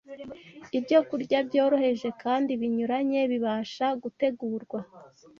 Ibyokurya byoroheje kandi binyuranye bibasha gutegurwa